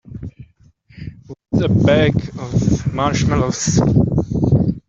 With a bag of marshmallows.